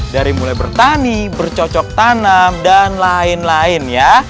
dari mulai bertani bercocok tanam dan lain lain ya